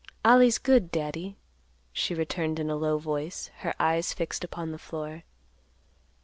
"Ollie's good, Daddy," she returned in a low voice, her eyes fixed upon the floor.